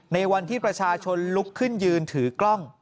ในวันที่ประชาชนลุกขึ้นยืนถือกล้อง